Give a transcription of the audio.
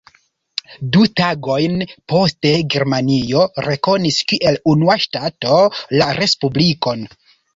Du tagojn poste Germanio rekonis kiel unua ŝtato la Respublikon.